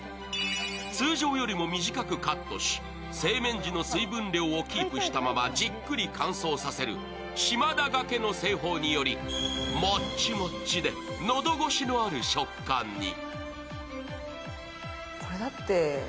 通常よりも短くカットし、製麺時の水分量をキープしたままじっくり乾燥させる島田掛けの製法によりもちもちで喉越しのある食感に。